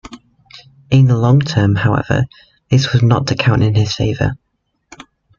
In the long term, however, this was not to count in his favour.